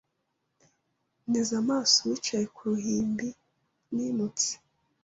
Nteze amaso uwicaye Ku ruhimbi nimutse